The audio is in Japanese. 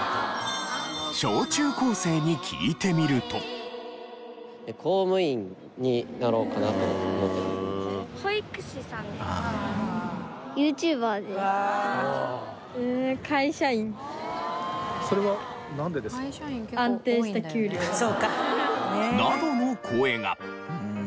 小中高生に聞いてみると。などの声が。